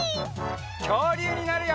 きょうりゅうになるよ！